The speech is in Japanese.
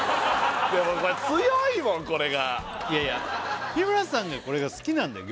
でもこれ強いもんこれがいやいや日村さんがこれが好きなんだよ